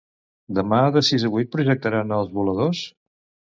Demà de sis a vuit projectaran "Els voladors"?